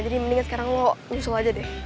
jadi mendingan sekarang lo ngusul aja deh